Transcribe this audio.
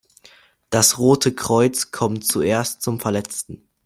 Das Rote Kreuz kommt zuerst zum Verletzten.